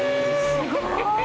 すごい！